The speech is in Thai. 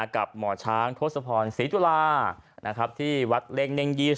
กับหมอช้างทศพรศรีตุลาที่วัดเล่งเน่ง๒๐